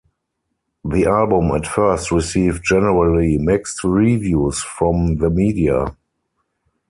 The album at first received generally mixed reviews from the media.